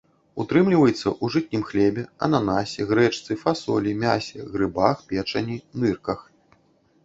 Утрымліваецца ў жытнім хлебе, ананасе, грэчцы, фасолі, мясе, грыбах, печані, нырках.